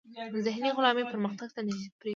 ذهني غلامي پرمختګ ته نه پریږدي.